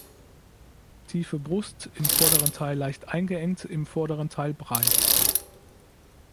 Tiefe Brust, im vorderen Teil leicht eingeengt, im vorderen Teil breit.